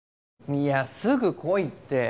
いやすぐ来いって。